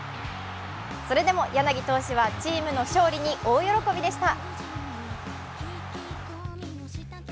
それでも柳投手は、チームの勝利に大喜びでした。